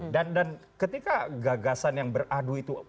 dan ketika gagasan yang beradu itu